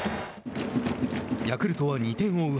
ヤクルトは２点を追う